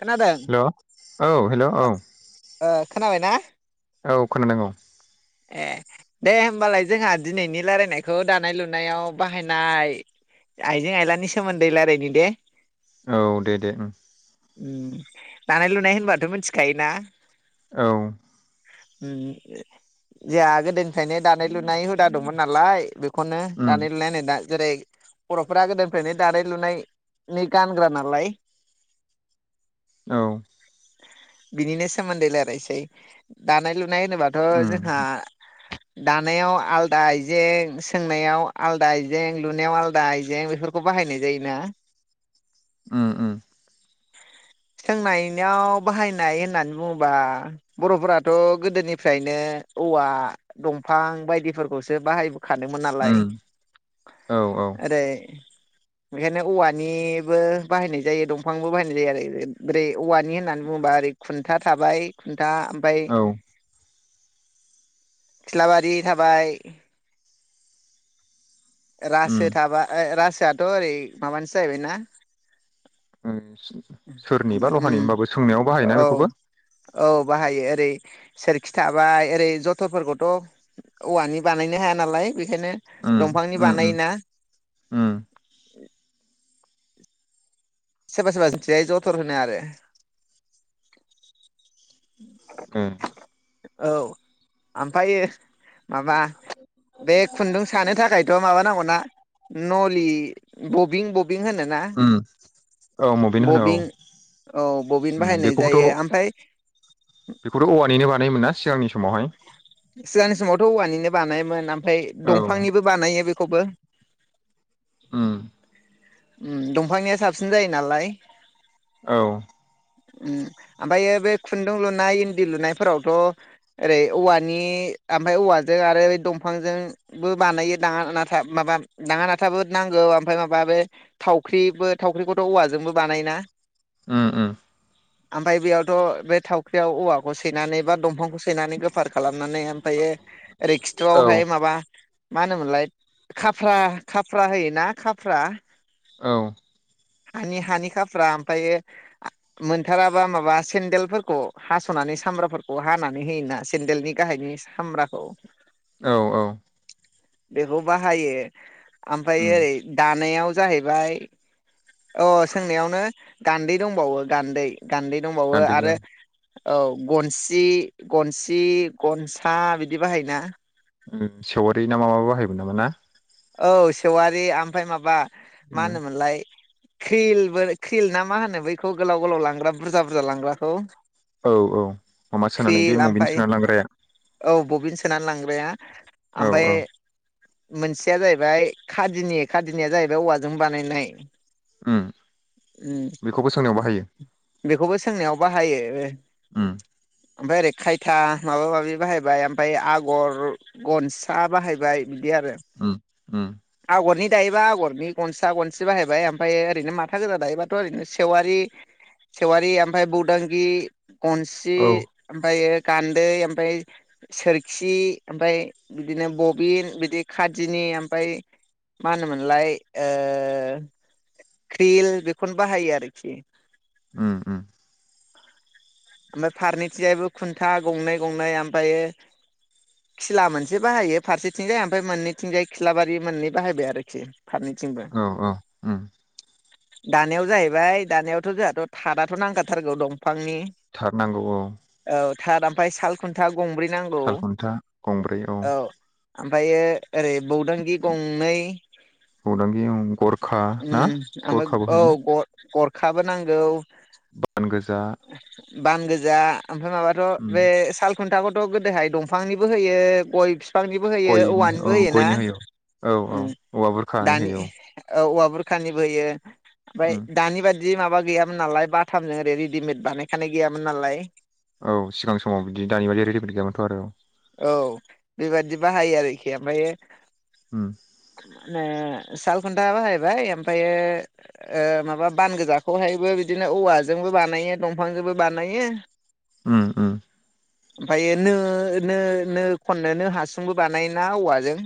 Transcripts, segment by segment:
खोनादों हेल' औ हेल' औ। ओ खोनाबाय ना? औ खोनादों औ। ए दे होमबालाय जोंहा दिनैनि रायलायनायखौ दानाय लुनायाव बाहायनाय आइजें आयलानि सोमोन्दै रायलायनि दे। औ दे-दे ओम। ओम दानाय-लुनाय होनबाथ' मिथिखायो ना? औ। उम-उम। जा गोदोनिफ्रायनो दानाय-लुनाय हुदा दंमोन नालाय बे। बेखौनो उम दानाय-लुनाय होनो दां। जेरै बर'फोरा गोदोनिफ्रायनो दानाय लुनाय नै गानग्रा नालाय। औ। बिनिनो सोमोन्दै रायलायनोसै दानाय-लुनाय। नाय होनोबाथ' उम जों। हा। दानायाव आलदा आइजें सोंनायाव आलदा आइजें लुनायाव आलदा आइजें बेफोरखौ बाहायनाय जायोना? ओम-ओम। सोंनायनियाव बाहायनाय होननानै बुङोबा बर'फोराथ' गोदोनिफ्रायनो औवा दंफां बायदिफोरखौसो बाहायबो। खादोंमोन नालाय उम औ औ ओरै। बेखायनो औवानिबो बाहायनाय जायो दं। दंफांबो बाहायनाय जायो आरो ओैरै ओमफ्राय औवानि होननानै बुङोबा ओरै खुन्था थाबाय। दा ओमफाय। औ खिलाबारि थाबाय। उम रासो थाबाय ओइ रासो। दाथ' ओरै माबानिसो जाहैबायना? सोरनि बा लहानि ओमफ्राय होबाबो सोंनायाव बाहायोना औ बेखौबो? औ बाहायो ओरै सोरखि थाबाय ओरै जथरफोरखौथ' औवानि बानायनो हाया नालाय। बेखायनो उम दं। फांनि उम उम बानायोना? उम सोरबा सोरबा जोंनिथिंजाय जथर होनो आरो। [unintelligible] ओम। औ आमफ्रायो। माबा बे खुन्दुं सानो थाखायथ' माबा नांगौना नलि। बबिं ब बिं होन ना उम औ मबिनो होनो औ बबिं औ बबिन उम बाहायनाय जायो। बेखौबोथ' ओमफ्राय नाय मोना सिगांनि समावहाय सिगांनि समावथ' औवानिनो बानायोमोन ओम फ्राय औ दंफांनिबो बानायो बे खौबो ओम उम दंफांनिया साबसिन जायो नालाय औ ओम ओमफ्रायायो बे खुन्दुं लुनाय, इन्दि लुनायफोरावथ' ओरै औवानि बिनि ओमफ्राय औवाजों आरो बे दंफांजोंबो बानायो दांङा नाथा माबा दांङा नाथाबो नांगौ ओमफफ्राय माबा बे थावख्रिबो थावख्रिखौथ' औवाजोंबो बानायोना। उ उ ओमफ्राय बेयावथ' बे थावख्रियाव औवाखौ सैनानै बा दंफांखौ सैनानै गोफाद खालामनानै ओमफ्रायायो ओरै औ खिथ्र'आवहाय माबा मा होनोमोनलाय खाफ्रा खाफ्रा होयोना खाफ्रा औ हानि हानि खाफ्रा ओमफ्रायायो मोनथाराबा माबा सेन्देलफोरखौ हास'नानै सामब्राफोरखौ हानानै होयोन ना सेन्देलनि गाहायनि सामब्राखौ औ औ बेखौ बाहायो आमफ्राय उम ओरै दानायाव जाहैबाय अ सोंनायावनो गान्दै दंबावो गान्दै गान्दै दंबावो गान्दैबो आरो औ गनसि गनसि सि गनसा बिदि बाहायो ना ओ सेवारि ना मा माबा बाहायमोन नामा ना औ सेवारि ओमफ्राय माबा मा ना? होनोमोनलाय ख्रिलबो ख्रिल ना मा होनो बैखौ गोलाव गोलाव लांग्रा बुरजा बुरजा लांग्राखौ। औ औ माबा सोनानै बे क्रिल मबिनि ओमफ्राय सोनानै लांग्राया औ बबिन सोनानै लांग्राया औ ओफ्राय औ मोनसे मोनसेया जाहैबाय खादिनि जाहैबाय खादिनि खादिनिया जाहैबाय औवाजों बानायनाय। उ उम बेखौबो सोंनायाव बाहायो। बेखौबो सोंनायाव बाहायो। उम ओमफ्राय ओरै खायथा माबा माबि बाहायबाय ओमफ्राय आगर गनसा बाहायबाय बिदि आरो उम उम आगरनि दायोबा आगरनि गनसा गनसि बाहायबाय ओमफ्राय ओरैनो माथा गोजा दायोबाथ' ओरैनो सेवारि सेवारि ओमफ्राय बौदांगि गनसि औ ओमफ्रायो गान्दै ओमफ्राय सोरखि ओमफ्राय बिदिनो बबिन बिदि खादिनि ओमफ्राय मा होनोमोनलाय क्रिल बेफोर बाहायो आरोखि उम उम ओमफ्राय फारनैथिंजायबो खुन्था गंनै गंनै ओमफ्रायो खिला मोनसे बाहायो फारसेथिंजाय ओमफ्राय मोननैथिंजाय खिलाबारि मोननै बाहायबाय आरोखि। फारनैथिंबो औ औ उम दानायाव जाहैबाय दानायावथ' जोंहाथ' थाद आथ नांथारगौ दंफांनि थार नांगौ औ थार आमफ्राय साल खुन्था गंब्रै नांगौ सालखुन्था गंब्रै औ ओमफ्रायो ओरै बौदांगि गंनै बौदांगि औ गरखा ओम ना ओमफ्राय गरखाबो औ होयोना ग गर खाबो नांगौ बान गोजा बान गोजा ओमफ्राय उम माबाथ' बे साल खुन्थाखौथ' गोदोहाय दंफांनिबो होयो गय फि फांनिबो होयो गयनि औवानिबो औ होयो ना। गयनि औ औ उम औवा बुरखानि दानि होयो औ औवा बुरखानिबो होयो औ ओमफ्राय दानि बादि दि माबा गैयामोन नालाय बाथामजों ओरै रेदिमेद बानाय खानाय गैयामोन नालाय औ सिगां समाव बिदि दानि बादि रेडिमेद गैयामोनथ' आरो औ बेबादि बाहायो आरोखि ओमफ्रायो होम नो साल खुन्था बाहायबाय ओमफ्रायो ओ माबा बान गोजाखौहायबो बिदिनो औवाजोंबो बानायो दं फांजोंबो बानायो उम उम ओमफ्रायो नो नो नो खननोनो हासुंबो बानायोना औवाजों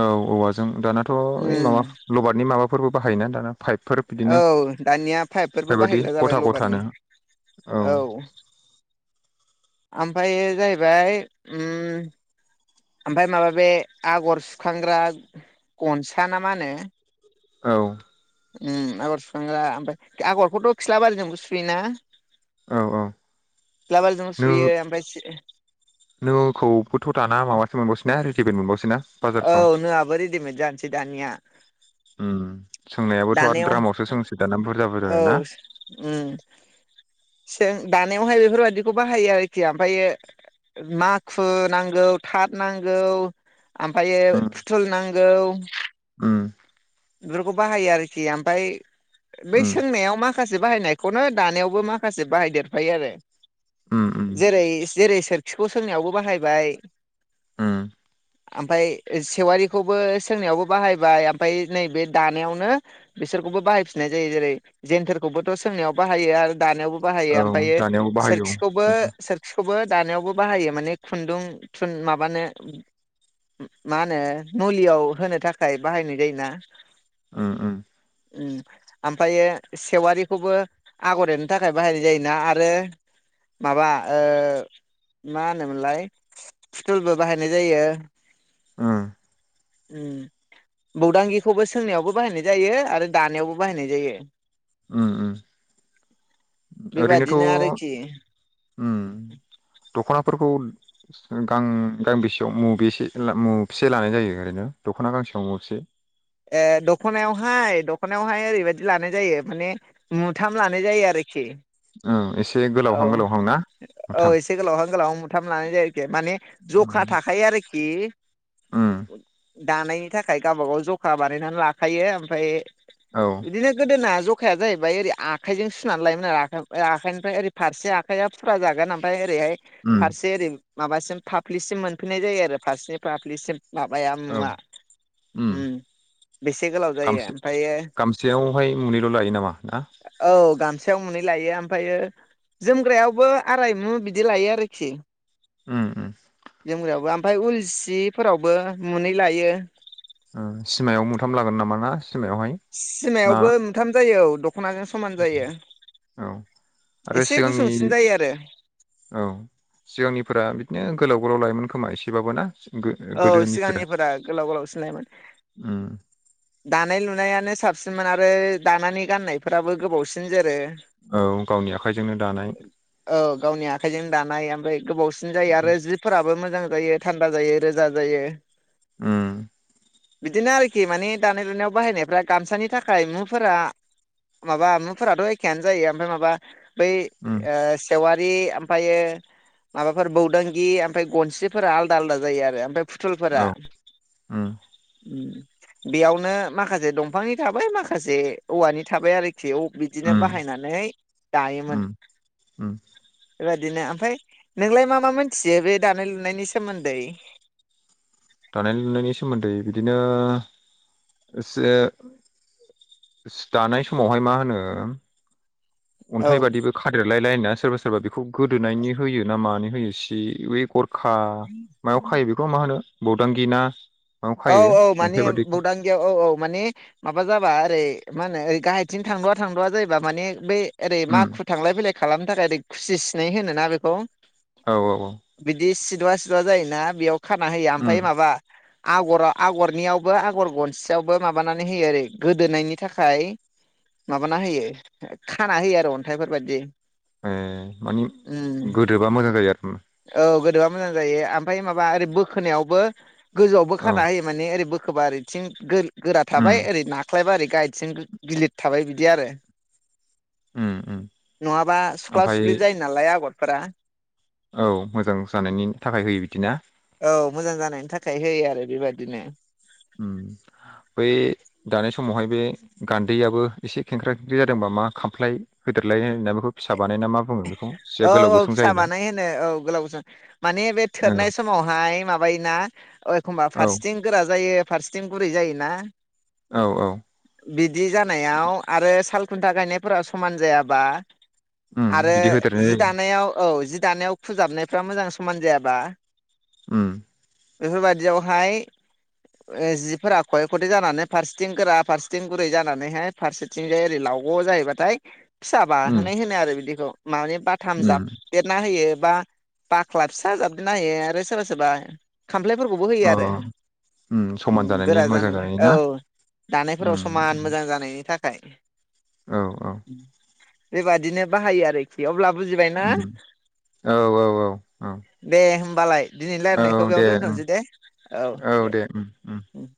औ औवाजों दानाथ' ओइ उम माबा लबारनि माबा फोरबो बाहायोना दाना पाइपफोर बिदिनो औ दानिया पाइपफोरबो बेबायदि बाहायग्रा जाबाय गथा लबारनि गथानो औ ओमफ्राय जाहैबाय उम ओमफ्राय माबा बे आगर सुखांग्रा गनसा ना मा होनो औ उम आगर सुखांग्रा ओमफ्राय आगरखौथ' खिलाबारिजोंबो सुयोना औ औ खिलाबारिजोंबो सुयो ओमफ्राय नो-नोखौबोथ' दाना माबासो मोनबावसैना रि दिमेट मोनबावोसै ना? औ नोआबो रेडिमेड जानोसै दानिया। उम सोंनायाबोथ' आरो दानायाव द्रामावसो सोंसै दाना बुरजा औ बुरजानो ना? उम जों दानायावहाय बेफोरबायदिखौ बाहायो आरोखि ओमफायो माखु नांगौ थाथ नांगौ आमफायो उम फुथुल नांगौ उम बेफोरखौ बाहायो आरोखि ओमफाय बै उम सोंनायाव माखासे से बाहायनायखौनो दानायावबो माखासे बाहायदेरफायो आरो। उम उम जेरै जेरै सोर सिखौ सोंनायावबो बाहायबाय ओम। ओमफाय सेवारिखौबो सोंनायावबो बाहायबाय ओमफाय नैबे दानायावनो बिसोरखौबो बाहायफिननाय जायो। जेरै जेन्थोरखौबोथ' सोंनायाव बाहायो आरो दानायावबो बाहायो। औ ओमफायो दानायावबो बाहायो औ सोरखिखौबो खिन्थु सोरखिखौबो दानायावबो बाहायो माने खुन्दुं थुन माबानो मा होनो मुलियाव होनो थाखाय बाहायनाय जायोना? ओम ओम। उम, ओमफाय सेवारिखौबो आगर एरनो थाखाय बाहायनाय जायोना आरो माबा ओ मा होनोमोनलाय फुथुलबो बाहायनाय जायो। उम ओम बौदांगांगिखौबो सोंनायावबो बाहायनाय जायो आरो दानायावबो बाहायनाय जायो। उम उम ओरैनोथ' बेबादिनो आरोखि ओम दख'ना फोरखौ गां-गांबेसेयाव मबेसे मुबेसे लानाय जायो ओरैनो दख'ना गांसेयाव मुबेसे? ए दख'नायावहाय दख'नायावहाय ओरैबायदि लानाय जायो माने मुथाम लानाय जायो आरोखि। औ एसे औ गोलावहां गोलावहां ना मुथाम। थाम लानाय जायो। खि माने जखा उम थाखायो आरोखि। उम दानायनि थाखाय गावबा गाव जखा बानायनानै लाखायो ओमफाय औ बिदिनो गोदोना ज खाया जाहैबाय ओरै आखाइजों सुनानै लायोमोन आरो [unintelligible] आखाइनिफ्राय ओरै फारसे आखाइाया फुरा जागोन ओमफाय ओरैहाय उम फारसे ओरै माबासिम फाफ्लिसिम मोनफैननाय जायो आरो फारसेनि फाफ्लिसिम। माबाया औ मुवा। उम ओम बेसे गोलाव जायो गामसे ओमफायो गामसेयावहाय मुनैल' लायो नामा ना औ गाम सायाव मुनै लायो आम फायो जोमग्रायावबो आरायमु बिदि लायो आरोखि। उम उम जोमग्रायावबो आम ओमफाय उल सिफोरावबो मुनै लायो। ओम सिमायाव मुथाम लागोन नामा ना? सिमायावहाय ना सिमायावबो मोनथाम जायो औ दख'नाजों समान जायो औ आरो एसे सिगांनि गुसुंसिन जायो आरो औ सिगांनिफोरा बिदिनो गोलाव बर' लाइमोन खोमा एसेबाबो ना औ गो-गोदोनिफोरा सिगांनिफोरा गोलाव गोलाव सिननायोन उम दानाय [unintelligible] दनायानो साबसिनमोन आरो दानानै गाननायफोराबो गोबावसिन जोरो औ गावनि आखाइजोंनो दानाय औ गावनि आखाइजों दानाय ओमफ्राय गोबावसिन जायो आरो जिफोराबो मोजां जायो थान्दा जायो रोजा जायो ओम बिदिनो आरोखि माने दानाय लुनायाव बाहायनायफ्रा गामसानि थाखाय मुफोरा माबा मुफोराथ' एखेयानो जायो ओमफ्राय माबा बै उम सेेवारि ओमफ्रायो माबाफोर बौदांगि ओमफ्राय गनस्रिफोरा आलदा आलादा जायो आरो फ्राय फुथलफोरा औ उम बेयावनो माखासे दंफांनि थाबाय माखासे औवानि थाबाय आरोखि बेयाव बिदिनो उम बाहायनानै दायोमोन उम उम बेबादिनो ओमफ्राय नोंलाय मा मा मोनथियो बे दानाय लुनायनि सोमोन्दै दानाय लुनायनि सोमोन्दै बिदिनो एसे दानाय समावहाय मा होनो औ अन्थाइ बाददिबो खादेरलाय लाया सोरा सोरबा खुब गोदोनायनि होय ना मानो बे खा मायाव खायो बेखौ मा होनो बदांगिना औ औ माने बदांगियाव औ औ मानिे माबा जाबा ओरै मा होनो ओरै गाहायथिं थांद'वा थांद'वा जायोबा माने बै ओै उम माखु थांलाय फैलाय खालामनो थाखाय रै खुसि सिनायै होनो ना बेखौ औ औ औ बिदि सिदुा जायोना बेयाव खाना होयो उम ओमफ्राय माबा आगराव आगरनियावबो आगर गनसेयावबो माबानानै होयो ओरै गोदोनायनि थाखाय माबाना होयो खाना होयो आरो अन्थाइफोर बाददि ए मानिे गोदोबा मोजां जायो आरो ओमफाय ओरै बोखोनायावबो औ खान होयो माने ओरै बोख खोबा ओरैथिं गो गोरा उम थाबाय ओरै नाख ख्लायबा गाहायथिं गिलिर थाबाय बिदि आरो। उम उम नंङाबा सुख्ला ओमफाय सुख्लि जायो नालाय आगर। फोरा औ मोजां जानायनि थाखाय होयो बिद बिदिना? औ मोजां जानायनि थाखाय होयो आरो बेबादिनो। उम बै दानाय समावहाय बे गान्दैयाबो एसे खेंख्रा खेंख्रि जादोंबा मा खामफ्लाय होदेरलाय होनना बेखौ फिसा बानायना मा बुङो? बेखौ सिया औ गोलाव औ गुसुं फिसा जायोना बानाय होनो औ गोलाव गुसुं माने बे थोरनाय औ समावहाय माबायोना। ओह एखनबा औ फारसेथिं गोरा जायो। फारसेथिं गुरै जायोना। औ औ बिदि जानायाव आरो साल खुन्था गायनायफोरा समान जायाबा। उम आरो बिदि होदेद जि दानायाव औ जि दानायाव फोजाबनायफ्रा मोजां समान जायाबा। उम बेफोरबायदियावहाय ओ-जिफोरा खये खथे जानानै फारसेथिं गोरा फारसेथिं गुरै जानानैहाय फारसेथिंजाय ओरै लावग' जाहैबाथाय। फिसा उम बाहोनाय होनो आरो बिदिखौ। माबे बाथाम जाब उम देरना होयो। बा बाख्ला फिसाजाबदेरना होयो आरो सोरबा सोरबा खामफ्लायफोरखौबो होयो अ आरो उम गोरा जानायनि थाखाय औ दानायफोराव उम समान उम मोजां जानायनि थाखाय। औ औ [unintelligible] [inaudible] बेबादिनो बाहायो आरोख बेअब्ला बुजिबायना उम औ औ औ दे होम बालाय दिनै औ रायनायखौ दे बेयावनो उम दोनथ'नोसै दे औ दे उम।